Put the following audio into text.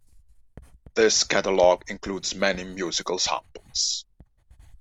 This catalogue includes many musical samples.